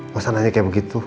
masa nanya kayak begitu